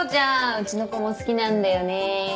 うちの子も好きなんだよね。